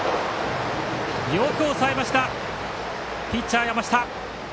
よく抑えましたピッチャーの山下。